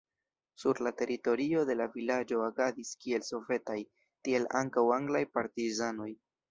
Sur la teritorio de la vilaĝo agadis kiel sovetaj, tiel ankaŭ anglaj partizanoj.